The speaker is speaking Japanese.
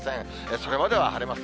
それまでは晴れます。